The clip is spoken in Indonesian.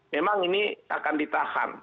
memang ini akan ditahan